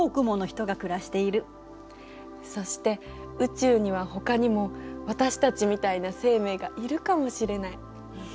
そして宇宙にはほかにも私たちみたいな生命がいるかもしれない。